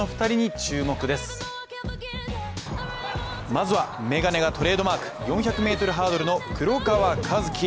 まずは眼鏡がトレードマーク４００ｍハードルの黒川和樹。